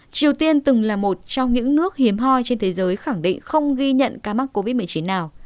triều tiên từng là một trong những nước hiếm hoi trên thế giới khẳng định không ghi nhận ca mắc covid một mươi chín nào